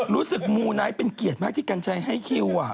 มูไนท์เป็นเกียรติมากที่กัญชัยให้คิว